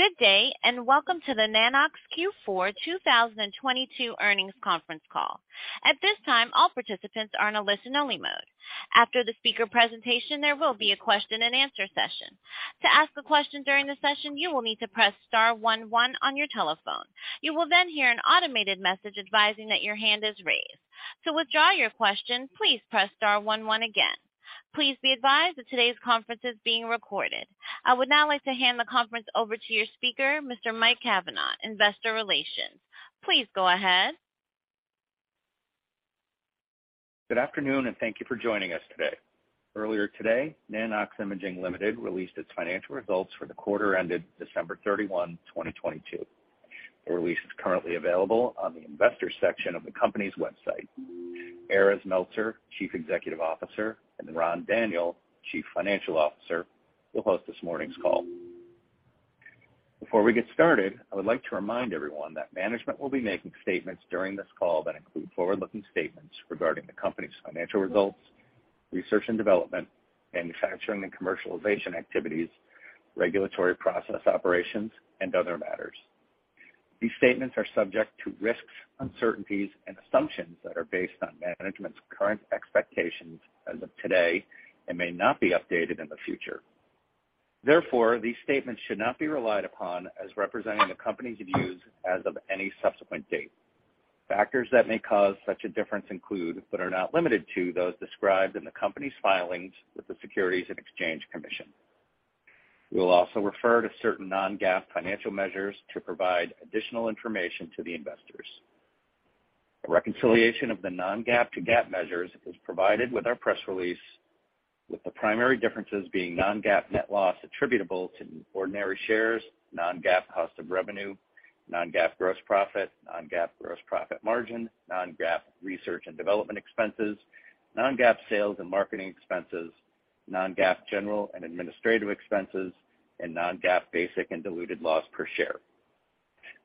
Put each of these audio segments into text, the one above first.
Good day, and welcome to the Nanox Q4 2022 earnings conference call. At this time, all participants are on a listen-only mode. After the speaker presentation, there will be a question-and-answer session. To ask a question during the session, you will need to press star one one on your telephone. You will then hear an automated message advising that your hand is raised. To withdraw your question, please press star one one again. Please be advised that today's conference is being recorded. I would now like to hand the conference over to your speaker, Mr. Mike Cavanagh, Investor Relations. Please go ahead. Good afternoon, and thank you for joining us today. Earlier today, Nano-X Imaging Ltd. released its financial results for the quarter ended December 31st, 2022. The release is currently available on the investor section of the company's website. Erez Meltzer, Chief Executive Officer, and Ran Daniel, Chief Financial Officer, will host this morning's call. Before we get started, I would like to remind everyone that management will be making statements during this call that include forward-looking statements regarding the company's financial results, research and development, manufacturing and commercialization activities, regulatory process operations, and other matters. These statements are subject to risks, uncertainties and assumptions that are based on management's current expectations as of today and may not be updated in the future. Therefore, these statements should not be relied upon as representing the company's views as of any subsequent date. Factors that may cause such a difference include, but are not limited to, those described in the company's filings with the Securities and Exchange Commission. We will also refer to certain Non-GAAP financial measures to provide additional information to the investors. A reconciliation of the Non-GAAP to GAAP measures is provided with our press release, with the primary differences being Non-GAAP net loss attributable to ordinary shares, Non-GAAP cost of revenue, Non-GAAP gross profit, Non-GAAP gross profit margin, Non-GAAP research and development expenses, Non-GAAP sales and marketing expenses, Non-GAAP general and administrative expenses, and Non-GAAP basic and diluted loss per share.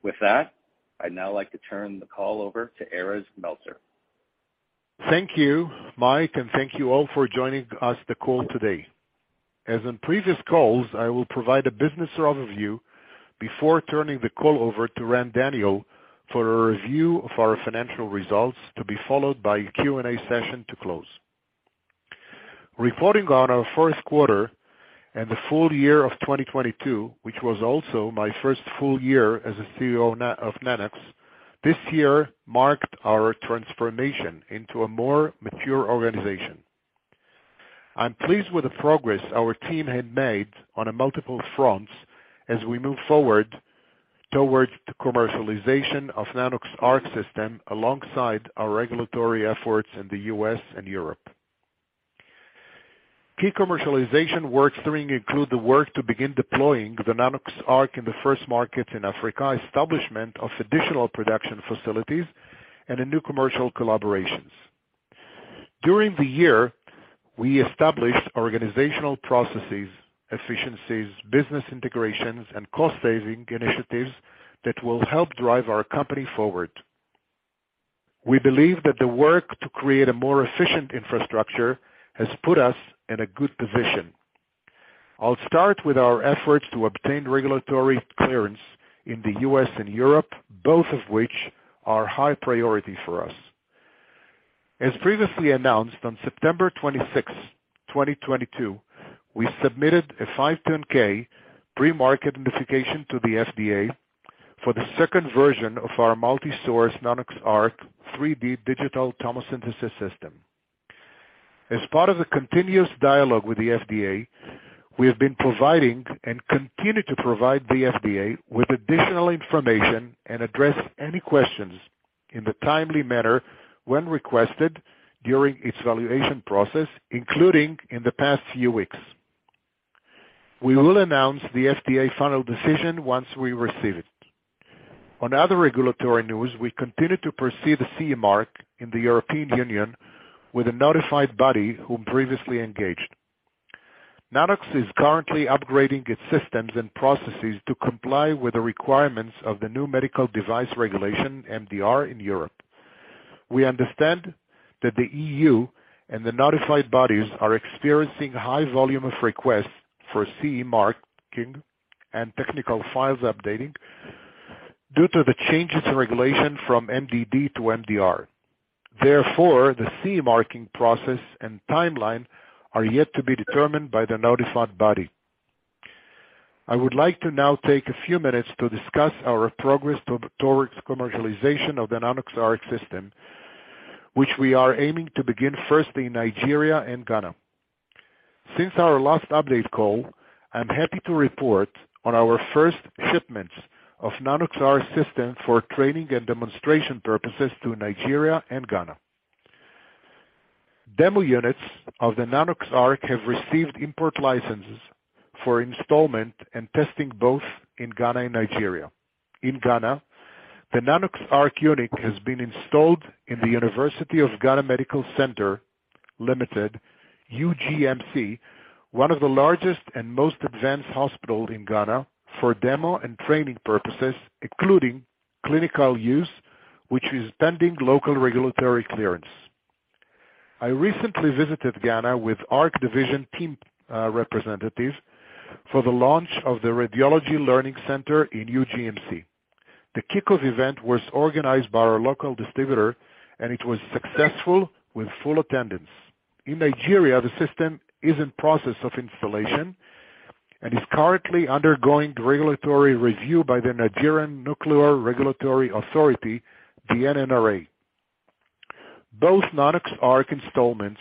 With that, I'd now like to turn the call over to Erez Meltzer. Thank you, Mike, thank you all for joining us the call today. As in previous calls, I will provide a business overview before turning the call over to Ran Daniel for a review of our financial results, to be followed by a Q&A session to close. Reporting on our first quarter and the full year of 2022, which was also my first full year as a CEO of Nanox, this year marked our transformation into a more mature organization. I'm pleased with the progress our team had made on a multiple fronts as we move forward towards the commercialization of Nanox.ARC system, alongside our regulatory efforts in the U.S. and Europe. Key commercialization workstream include the work to begin deploying the Nanox.ARC in the first market in Africa, establishment of additional production facilities, and in new commercial collaborations. During the year, we established organizational processes, efficiencies, business integrations, and cost-saving initiatives that will help drive our company forward. We believe that the work to create a more efficient infrastructure has put us in a good position. I'll start with our efforts to obtain regulatory clearance in the U.S. and Europe, both of which are high priority for us. As previously announced on September 26th, 2022, we submitted a 510(k) pre-market notification to the FDA for the second version of our multi-source Nanox.ARC 3D digital tomosynthesis system. As part of a continuous dialogue with the FDA, we have been providing and continue to provide the FDA with additional information and address any questions in the timely manner when requested during its evaluation process, including in the past few weeks. We will announce the FDA final decision once we receive it. On other regulatory news, we continue to pursue the CE mark in the European Union with a notified body whom previously engaged. Nanox is currently upgrading its systems and processes to comply with the requirements of the new Medical Device Regulation, MDR, in Europe. We understand that the EU and the notified bodies are experiencing high volume of requests for CE marking and technical files updating due to the changes in regulation from MDD to MDR. Therefore, the CE marking process and timeline are yet to be determined by the notified body. I would like to now take a few minutes to discuss our progress towards commercialization of the Nanox.ARC system, which we are aiming to begin first in Nigeria and Ghana. Since our last update call, I'm happy to report on our first shipments of Nanox.ARC system for training and demonstration purposes to Nigeria and Ghana. Demo units of the Nanox.ARC have received import licenses for installment and testing both in Ghana and Nigeria. In Ghana, the Nanox.ARC unit has been installed in the University of Ghana Medical Centre LTD, UGMC, one of the largest and most advanced hospitals in Ghana for demo and training purposes, including clinical use, which is pending local regulatory clearance. I recently visited Ghana with our division team, representatives for the launch of the Radiology Learning Center in UGMC. The kickoff event was organized by our local distributor, it was successful with full attendance. In Nigeria, the system is in process of installation and is currently undergoing regulatory review by the Nigerian Nuclear Regulatory Authority, the NNRA. Both Nanox.ARC installments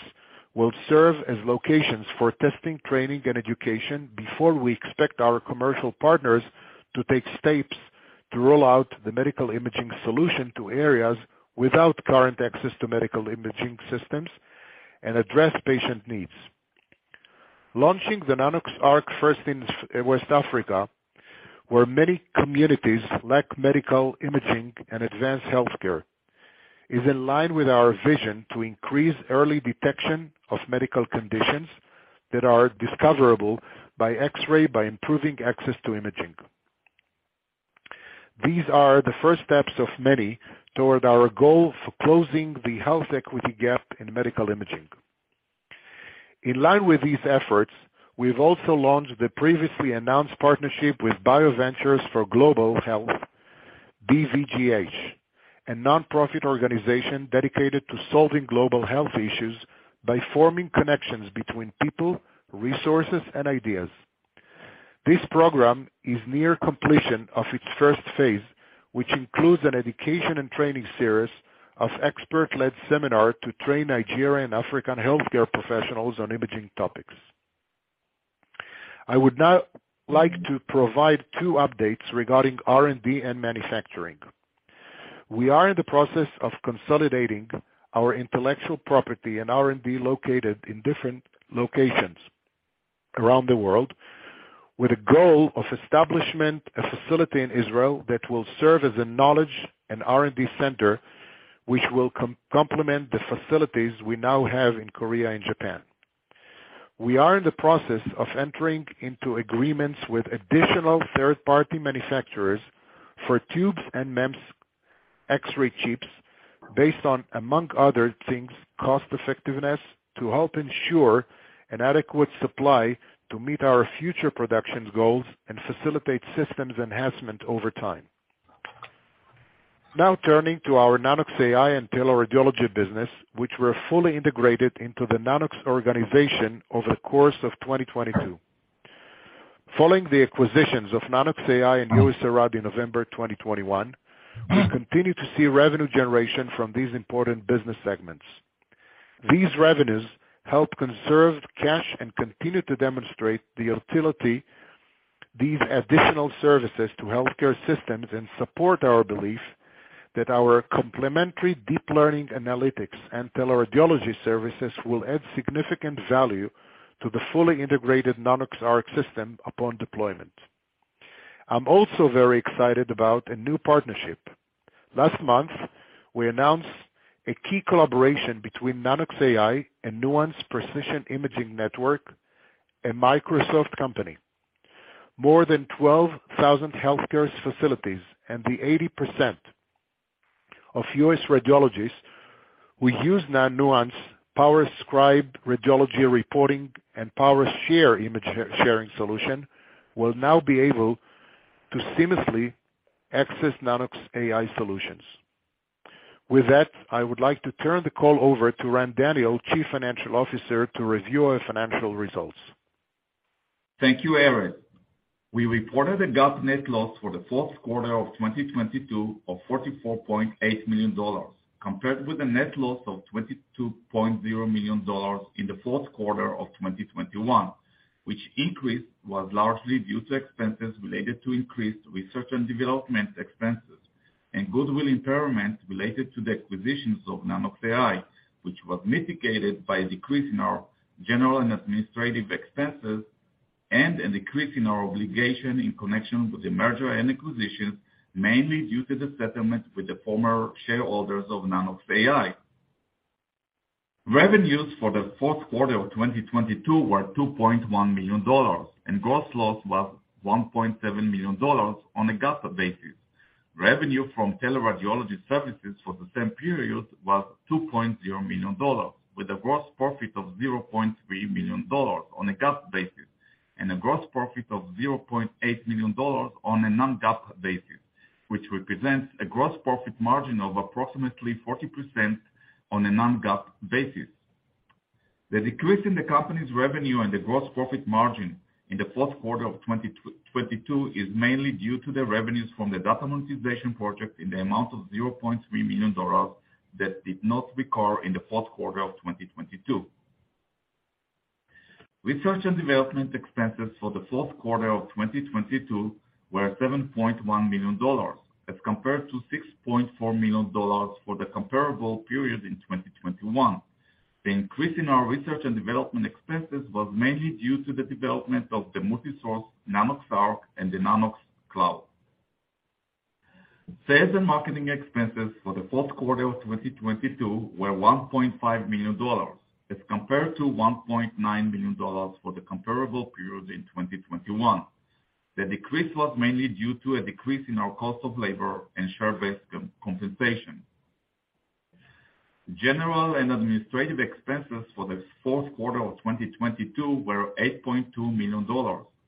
will serve as locations for testing, training, and education before we expect our commercial partners to take steps to roll out the medical imaging solution to areas without current access to medical imaging systems and address patient needs. Launching the Nanox.ARC first in West Africa, where many communities lack medical imaging and advanced health care, is in line with our vision to increase early detection of medical conditions that are discoverable by X-ray, by improving access to imaging. These are the first steps of many toward our goal of closing the health equity gap in medical imaging. In line with these efforts, we've also launched the previously announced partnership with BIO Ventures for Global Health, BVGH, a nonprofit organization dedicated to solving global health issues by forming connections between people, resources, and ideas. This program is near completion of its first phase, which includes an education and training series of expert-led seminar to train Nigerian African healthcare professionals on imaging topics. I would now like to provide 2 updates regarding R&D and manufacturing. We are in the process of consolidating our intellectual property and R&D located in different locations around the world with a goal of establishment a facility in Israel that will serve as a knowledge and R&D center, which will complement the facilities we now have in Korea and Japan. We are in the process of entering into agreements with additional third-party manufacturers for tubes and MEMS X-ray chips based on, among other things, cost effectiveness, to help ensure an adequate supply to meet our future production goals and facilitate systems enhancement over time. Now turning to our Nanox.AI and teleradiology business, which were fully integrated into the Nanox organization over the course of 2022. Following the acquisitions of Nanox.AI and USARAD in November 2021, we continue to see revenue generation from these important business segments. These revenues help conserve cash and continue to demonstrate the utility these additional services to healthcare systems and support our belief that our complementary deep learning analytics and teleradiology services will add significant value to the fully integrated Nanox.ARC system upon deployment. I'm also very excited about a new partnership. Last month, we announced a key collaboration between Nanox.AI and Nuance Precision Imaging Network, a Microsoft company. More than 12,000 healthcare facilities and the 80% of U.S. radiologists will use now Nuance PowerScribe radiology reporting and PowerShare image sharing solution will now be able to seamlessly access Nanox.AI solutions. With that, I would like to turn the call over to Ran Daniel, Chief Financial Officer, to review our financial results. Thank you, Erez. We reported a GAAP net loss for the fourth quarter of 2022 of $44.8 million, compared with a net loss of $22.0 million in the fourth quarter of 2021, which increase was largely due to expenses related to increased research and development expenses and goodwill impairment related to the acquisitions of Nanox.AI, which was mitigated by a decrease in our general and administrative expenses and a decrease in our obligation in connection with the merger and acquisition, mainly due to the settlement with the former shareholders of Nanox.AI. Revenues for the fourth quarter of 2022 were $2.1 million, and gross loss was $1.7 million on a GAAP basis. Revenue from teleradiology services for the same period was $2.0 million, with a gross profit of $0.3 million on a GAAP basis and a gross profit of $0.8 million on a Non-GAAP basis, which represents a gross profit margin of approximately 40% on a Non-GAAP basis. The decrease in the company's revenue and the gross profit margin in the fourth quarter of 2022 is mainly due to the revenues from the data monetization project in the amount of $0.3 million that did not recur in the fourth quarter of 2022. Research and development expenses for the fourth quarter of 2022 were $7.1 million, as compared to $6.4 million for the comparable period in 2021. The increase in our research and development expenses was mainly due to the development of the multi-source Nanox.ARC and the Nanox.CLOUD. Sales and marketing expenses for the fourth quarter of 2022 were $1.5 million, as compared to $1.9 million for the comparable period in 2021. The decrease was mainly due to a decrease in our cost of labor and share-based compensation. General and administrative expenses for the fourth quarter of 2022 were $8.2 million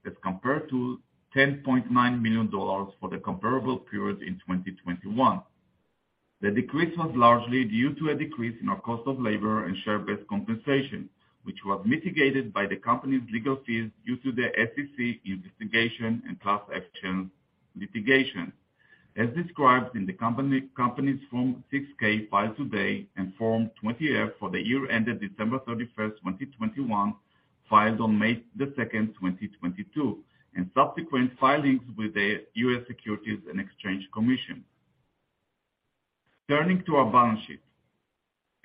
as compared to $10.9 million for the comparable period in 2021. The decrease was largely due to a decrease in our cost of labor and share-based compensation, which was mitigated by the company's legal fees due to the SEC investigation and class action litigation. As described in the company's Form 6-K filed today and Form 20-F for the year ended December 31st, 2021, filed on May the 2nd, 2022, and subsequent filings with the U.S. Securities and Exchange Commission. Turning to our balance sheet.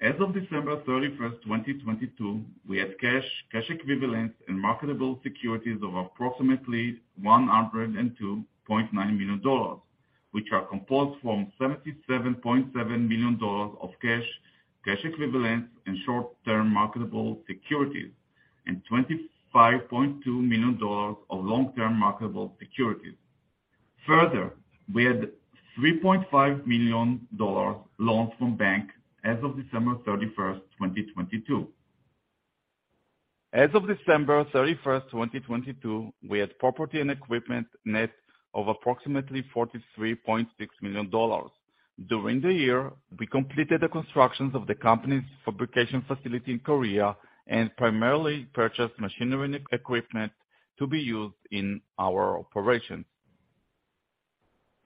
As of December 31st, 2022, we had cash equivalents, and marketable securities of approximately $102.9 million, which are composed from $77.7 million of cash equivalents, and short-term marketable securities, and $25.2 million of long-term marketable securities. We had $3.5 million loans from bank as of December 31st, 2022. As of December 31st, 2022, we had property and equipment net of approximately $43.6 million. During the year, we completed the constructions of the company's fabrication facility in Korea and primarily purchased machinery and equipment to be used in our operations.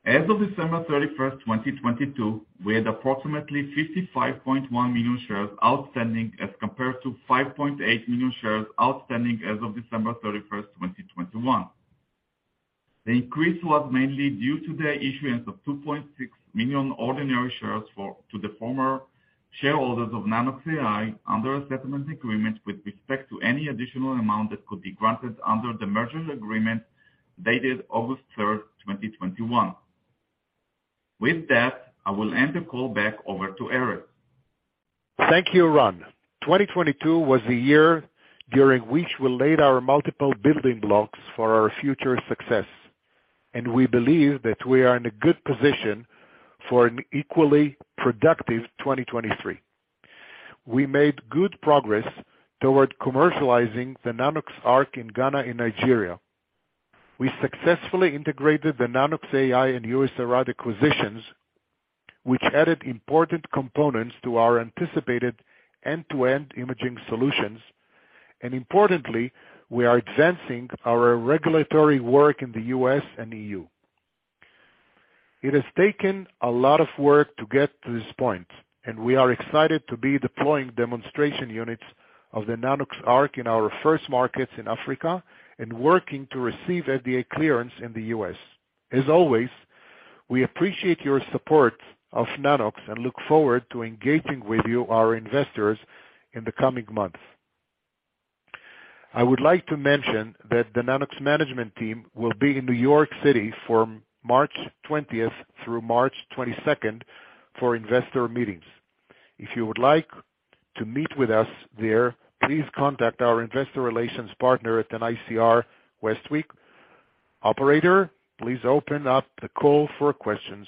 As of December 31st, 2022, we had approximately 55.1 million shares outstanding as compared to 5.8 million shares outstanding as of December 31st, 2021. The increase was mainly due to the issuance of 2.6 million ordinary shares to the former shareholders of Nanox.AI under a settlement agreement with respect to any additional amount that could be granted under the merger agreement dated August 3rd, 2021. With that, I will hand the call back over to Erez. Thank you, Ran. 2022 was a year during which we laid our multiple building blocks for our future success. We believe that we are in a good position for an equally productive 2023. We made good progress toward commercializing the Nanox.ARC in Ghana and Nigeria. We successfully integrated the Nanox.AI and USARAD acquisitions, which added important components to our anticipated end-to-end imaging solutions. Importantly, we are advancing our regulatory work in the U.S. and EU. It has taken a lot of work to get to this point. We are excited to be deploying demonstration units of the Nanox.ARC in our first markets in Africa and working to receive FDA clearance in the U.S. As always, we appreciate your support of Nanox and look forward to engaging with you, our investors, in the coming months. I would like to mention that the Nanox management team will be in New York City from March 20th through March 22nd for investor meetings. If you would like to meet with us there, please contact our investor relations partner at ICR, Westwicke. Operator, please open up the call for questions.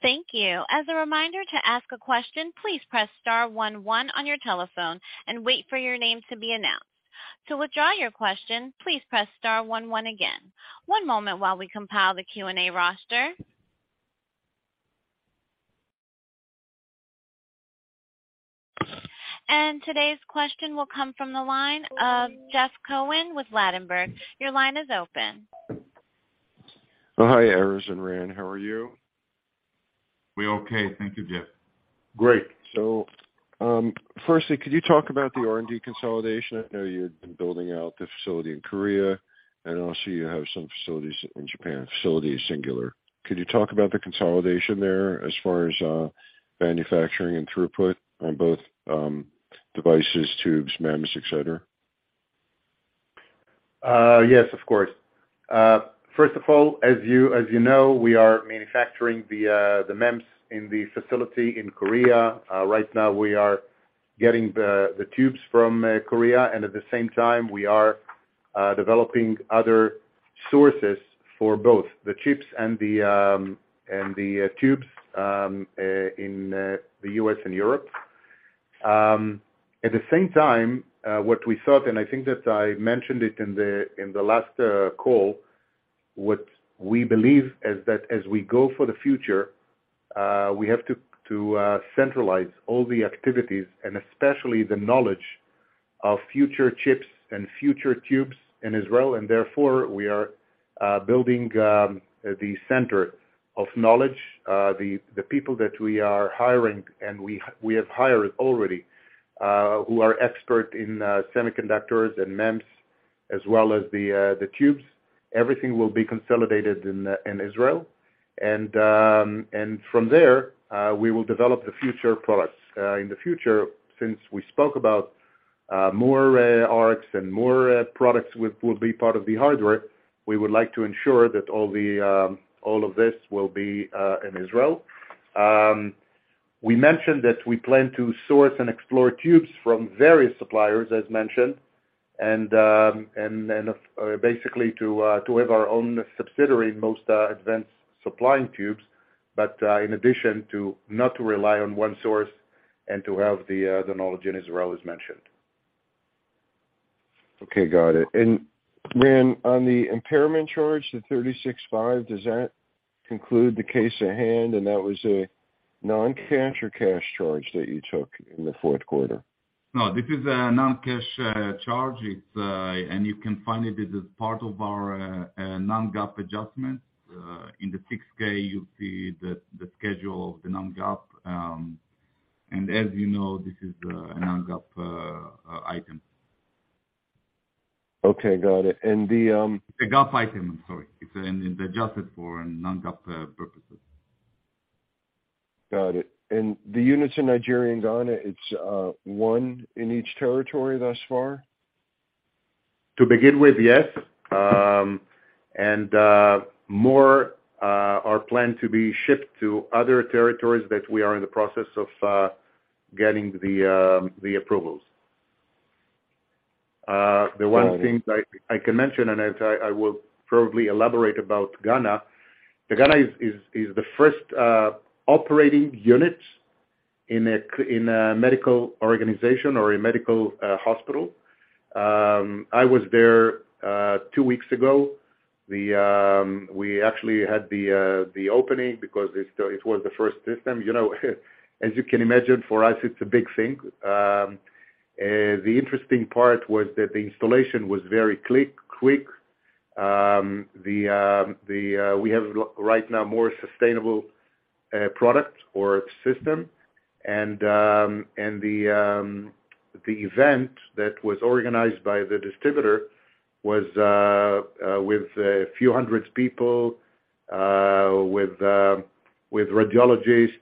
Thank you. As a reminder to ask a question, please press star one one on your telephone and wait for your name to be announced. To withdraw your question, please press star one one again. One moment while we compile the Q&A roster. Today's question will come from the line of Jeff Cohen with Ladenburg Thalmann. Your line is open. Oh, hi, Erez and Ran. How are you? We're okay. Thank you, Jeff. Great. Firstly, could you talk about the R&D consolidation? I know you've been building out the facility in Korea, and also you have some facilities in Japan. Facility is singular. Could you talk about the consolidation there as far as manufacturing and throughput on both devices, tubes, MEMS, et cetera? Yes, of course. First of all, as you know, we are manufacturing the MEMS in the facility in Korea. Right now we are getting the tubes from Korea, and at the same time, we are developing other sources for both the chips and the tubes in the US and Europe. At the same time, what we thought, and I think that I mentioned it in the last call, what we believe is that as we go for the future, we have to centralize all the activities and especially the knowledge of future chips and future tubes in Israel, and therefore we are building the center of knowledge. The people that we are hiring and we have hired already, who are expert in semiconductors and MEMS, as well as the tubes. Everything will be consolidated in Israel. From there, we will develop the future products. In the future, since we spoke about more ARCs and more products will be part of the hardware, we would like to ensure that all of this will be in Israel. We mentioned that we plan to source and explore tubes from various suppliers, as mentioned, and, basically to have our own subsidiary, most advanced supplying tubes. In addition to not to rely on one source and to have the knowledge in Israel, as mentioned. Okay, got it. Then on the impairment charge, the $36.5, does that conclude the case at hand, and that was a non-cash or cash charge that you took in the fourth quarter? No, this is a non-cash charge. It's. You can find it. This is part of our Non-GAAP adjustment. In the 6-K you'll see the schedule of the Non-GAAP. As you know, this is a Non-GAAP item. Okay, got it. The GAAP item, I'm sorry. It's an adjusted for Non-GAAP purposes. Got it. The units in Nigeria and Ghana, it's 1 in each territory thus far? To begin with, yes. More are planned to be shipped to other territories that we are in the process of getting the approvals. The one thing I can mention, and I will probably elaborate about Ghana. Ghana is the first operating unit in a medical organization or a medical hospital. I was there two weeks ago. We actually had the opening because it was the first system. You know, as you can imagine, for us it's a big thing. The interesting part was that the installation was very quick. We have right now more sustainable product or system. The event that was organized by the distributor was with a few hundred people, with radiologists,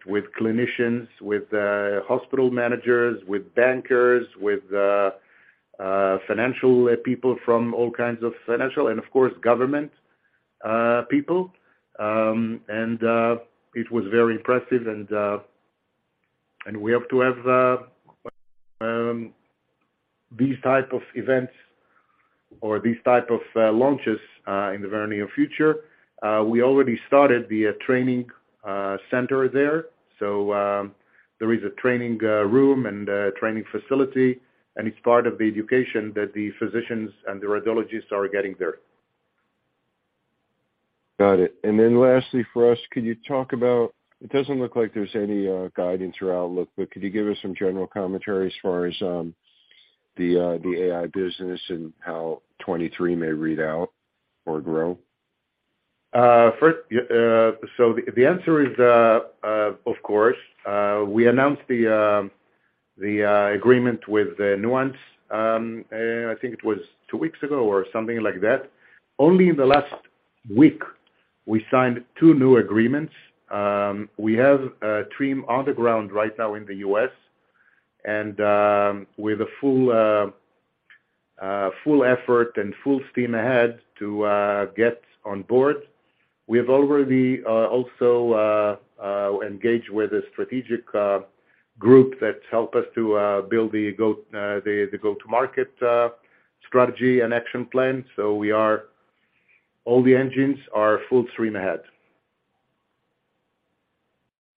with clinicians, with hospital managers, with bankers, with financial people from all kinds of financial and of course, government people. It was very impressive and we hope to have these type of events or these type of launches in the very near future. We already started the training center there. There is a training room and a training facility, and it's part of the education that the physicians and the radiologists are getting there. Got it. Then lastly for us, could you talk about... It doesn't look like there's any guidance or outlook, but could you give us some general commentary as far as the AI business and how 2023 may read out or grow? First, the answer is, of course. We announced the agreement with Nuance, I think it was 2 weeks ago or something like that. Only in the last week we signed two new agreements. We have a team on the ground right now in the U.S. and with a full effort and full steam ahead to get on board. We have already also engaged with a strategic group that help us to build the go-to-market strategy and action plan. All the engines are full stream ahead.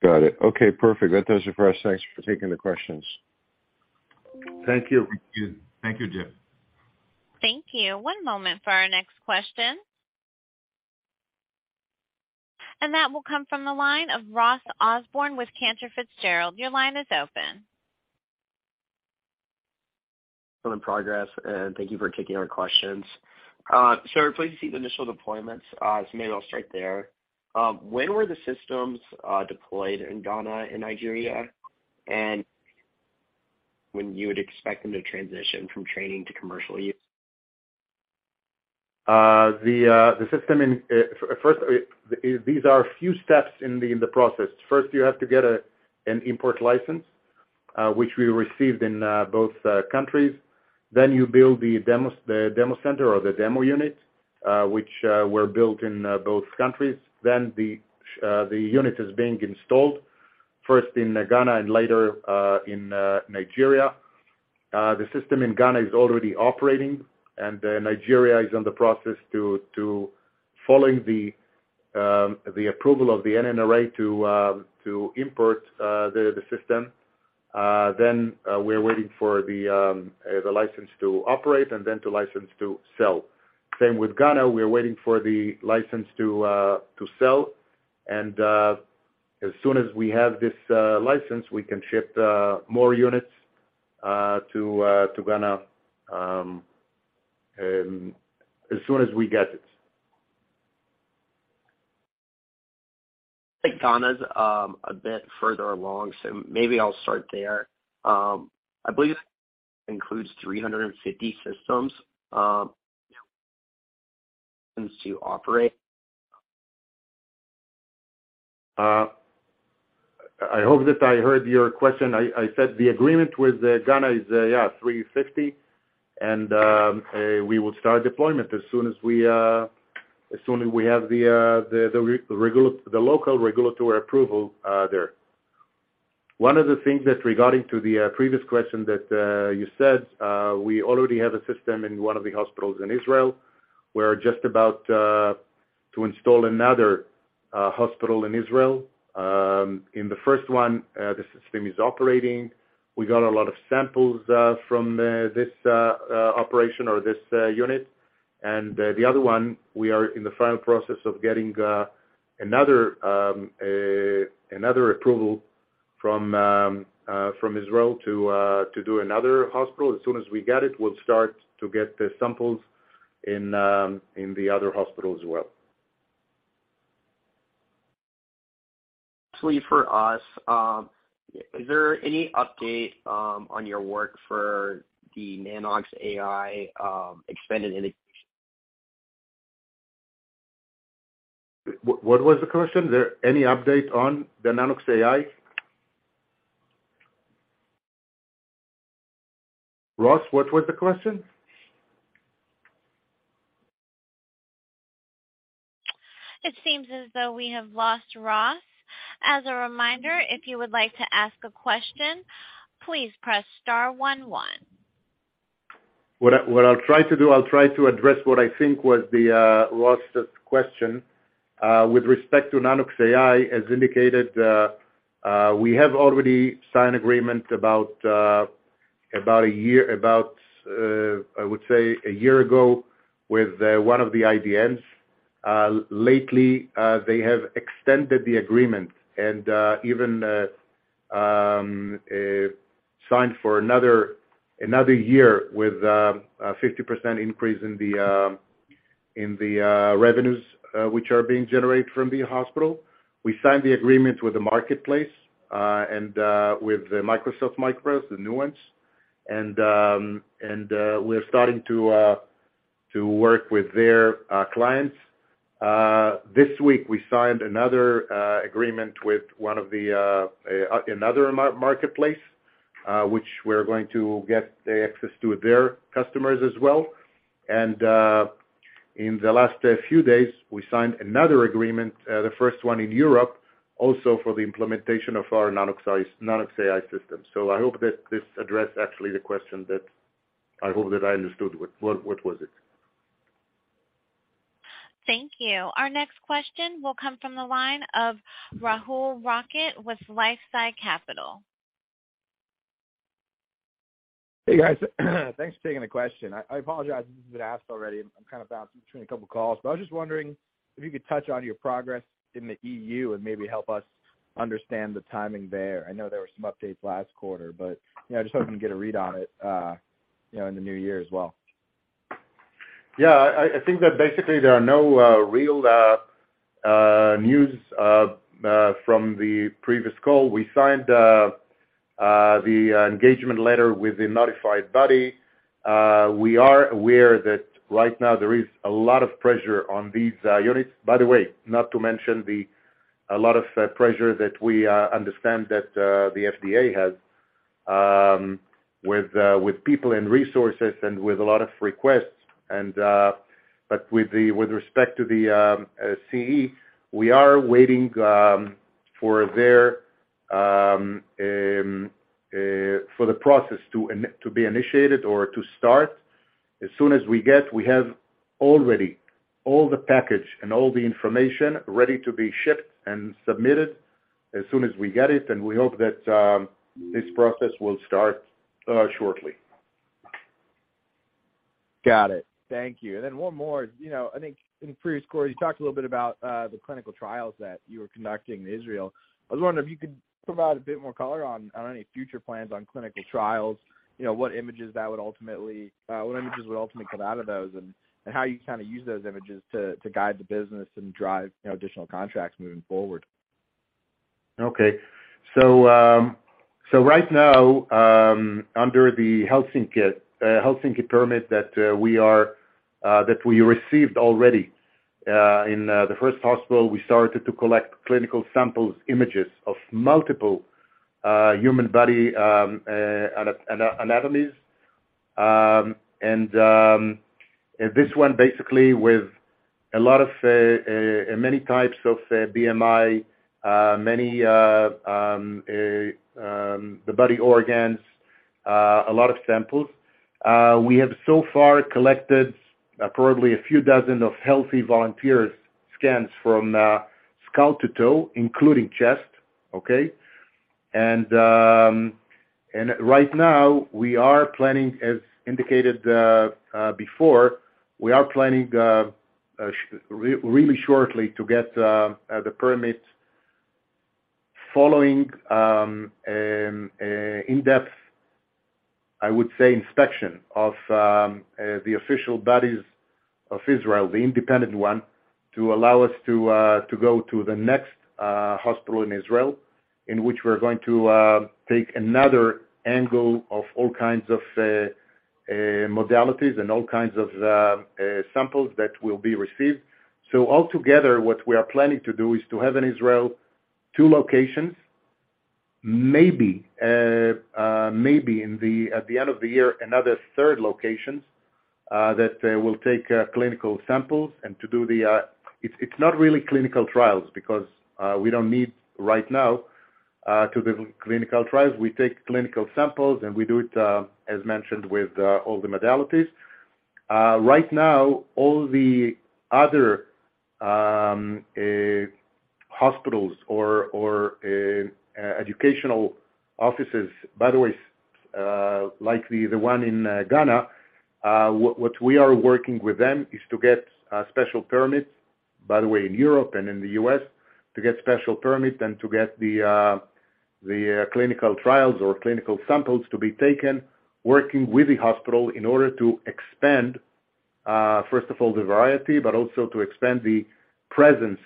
Got it. Okay, perfect. That does it for us. Thanks for taking the questions. Thank you. Thank you, Jim. Thank you. One moment for our next question. That will come from the line of Ross Osborn with Cantor Fitzgerald. Your line is open. I'm in progress, and thank you for taking our questions. We're pleased to see the initial deployments. Maybe I'll start there. When were the systems deployed in Ghana and Nigeria? When you would expect them to transition from training to commercial use? The system first, these are a few steps in the process. First, you have to get an import license, which we received in both countries. You build the demo center or the demo unit, which were built in both countries. The unit is being installed, first in Ghana and later in Nigeria. The system in Ghana is already operating and Nigeria is in the process to following the approval of the NNRA to import the system. We're waiting for the license to operate and then to license to sell. Same with Ghana, we are waiting for the license to sell. As soon as we have this license, we can ship more units to Ghana as soon as we get it. I think Ghana's, a bit further along, so maybe I'll start there. I believe it includes 350 systems, to operate. I hope that I heard your question. I said the agreement with Ghana is 350 systems and we will start deployment as soon as we have the local regulatory approval there. One of the things that regarding to the previous question that you said, we already have a system in one of the hospitals in Israel. We're just about to install another hospital in Israel. In the first one, the system is operating. We got a lot of samples from this operation or this unit. The other one, we are in the final process of getting another approval from Israel to do another hospital. As soon as we get it, we'll start to get the samples in the other hospital as well. For us, is there any update, on your work for the Nanox.AI, expanded integration? What was the question? There any update on the Nanox.AI? Ross, what was the question? It seems as though we have lost Ross. As a reminder, if you would like to ask a question, please press star one. What I'll try to do, I'll try to address what I think was Ross' question. With respect to Nanox.AI, as indicated, we have already signed agreement about a year, about I would say a year ago with one of the IDNs. Lately, they have extended the agreement and even signed for another year with a 50% increase in the revenues which are being generated from the hospital. We signed the agreement with the marketplace and with Microsoft, the Nuance, and we're starting to work with their clients. This week, we signed another agreement with one of the another marketplace, which we're going to get the access to their customers as well. In the last few days, we signed another agreement, the first one in Europe, also for the implementation of our Nanox.AI system. I hope that this addressed actually the question that I hope that I understood. What was it? Thank you. Our next question will come from the line of Rahul Rakhit with LifeSci Capital. Hey, guys. Thanks for taking the question. I apologize if this has been asked already. I'm kind of bouncing between a couple calls, but I was just wondering if you could touch on your progress in the EU and maybe help us understand the timing there. I know there were some updates last quarter, but, you know, I just hoping to get a read on it, you know, in the new year as well. Yeah, I think that basically there are no real news from the previous call. We signed the engagement letter with the notified body. We are aware that right now there is a lot of pressure on these units. By the way, not to mention a lot of pressure that we understand that the FDA has with people and resources and with a lot of requests. With respect to the CE, we are waiting for their for the process to be initiated or to start. We have already all the package and all the information ready to be shipped and submitted as soon as we get it. We hope that this process will start shortly. Got it. Thank you. Then one more. You know, I think in the previous quarter, you talked a little bit about the clinical trials that you were conducting in Israel. I was wondering if you could provide a bit more color on any future plans on clinical trials, you know, what images that would ultimately, what images would ultimately come out of those, and how you kinda use those images to guide the business and drive, you know, additional contracts moving forward. Okay. Right now, under the Helsinki permit that we received already in the first hospital, we started to collect clinical samples, images of multiple human body anatomies. This one basically with a lot of many types of BMI, many the body organs, a lot of samples. We have so far collected probably a few dozen of healthy volunteers scans from skull to toe, including chest, okay? Right now, we are planning, as indicated before, we are planning really shortly to get the permit following in-depth, I would say inspection of the official bodies of Israel, the independent one, to allow us to go to the next hospital in Israel, in which we're going to take another angle of all kinds of modalities and all kinds of samples that will be received. Altogether, what we are planning to do is to have in Israel two locations, maybe at the end of the year, another third location that will take clinical samples and to do the. It's not really clinical trials because we don't need right now to do clinical trials. We take clinical samples, and we do it as mentioned, with all the modalities. Right now, all the other hospitals or educational offices, by the way, like the one in Ghana, what we are working with them is to get special permits, by the way, in Europe and in the U.S., to get special permits and to get the clinical trials or clinical samples to be taken, working with the hospital in order to expand, first of all, the variety, but also to expand the presence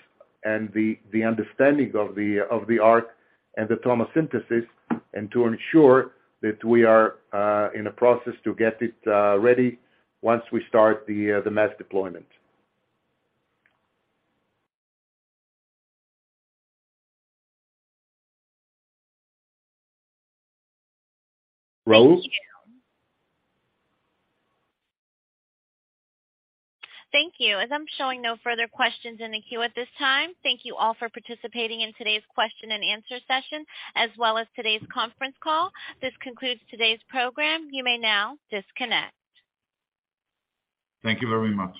and the understanding of the ARC and the tomosynthesis and to ensure that we are in a process to get it ready once we start the mass deployment. Rose? Thank you. As I'm showing no further questions in the queue at this time, thank you all for participating in today's question and answer session, as well as today's conference call. This concludes today's program. You may now disconnect. Thank you very much.